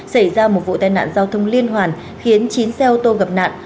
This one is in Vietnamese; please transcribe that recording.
xảy ra một vụ tai nạn giao thông liên hoàn khiến chín xe ô tô gặp nạn